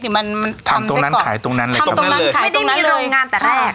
หรือมันทำตรงนั้นขายตรงนั้นเลยทำตรงนั้นขายตรงนั้นเลยไม่ได้มีโรงงานแต่แรก